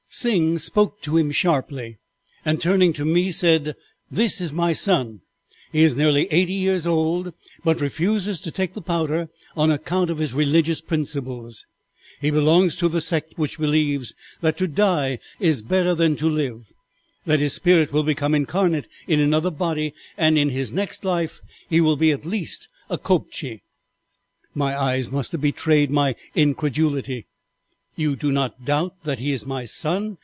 Sing spoke to him sharply, and turning to me said, 'This is my son; he is nearly eighty years old, but refuses to take the powder on account of his religious principles he belongs to the sect who believes that to die is better than to live, that his spirit will become incarnate in another body, and in his next life he will be at least a Kobtchie.' "My eyes must have betrayed my incredulity. "'You do not doubt that he is my son?'